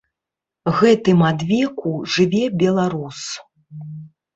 Гэтым адвеку жыве беларус.